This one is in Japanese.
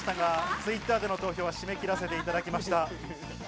Ｔｗｉｔｔｅｒでの投票は締め切らせていただきました。